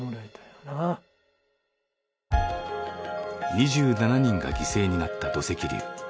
２７人が犠牲になった土石流。